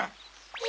え？